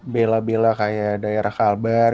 bela bela kayak daerah kalbar